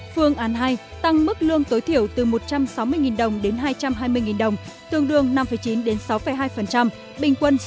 phương án hai tăng mức lương tối thiểu từ một trăm sáu mươi đồng đến hai trăm hai mươi đồng tương đương năm chín đến sáu hai bình quân sáu